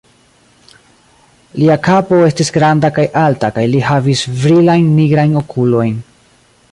Lia kapo estis granda kaj alta, kaj li havis brilajn nigrajn okulojn.